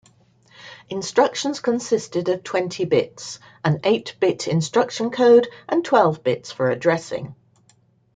Instructions consisted of twenty bits: an eight-bit instruction code and twelve bits for addressing.